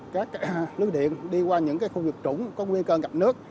các lưới điện đi qua những khu vực trủng có nguy cơ gặp nước